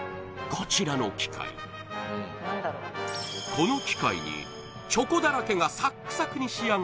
この機械にチョコだらけがサックサクに仕上がる